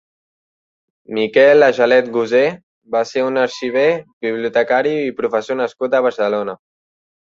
Miquel Agelet Gosé va ser un arxiver, bibliotecari i professor nascut a Barcelona.